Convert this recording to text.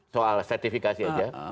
soal sertifikasi saja